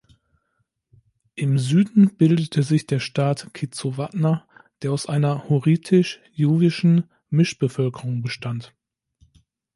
Im Süden bildete sich der Staat Kizzuwatna, der aus einer hurritisch-luwischen Mischbevölkerung bestand.